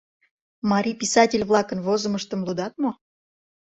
Марий писатель-влакын возымыштым лудат мо?